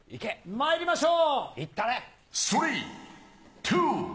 まいりましょう。